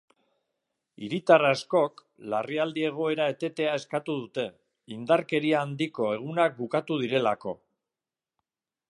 Hiritar askok larrialdi egoera etetea eskatu dute, indarkeria handiko egunak bukatu direlako.